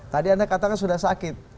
tadi anda katakan sudah sakit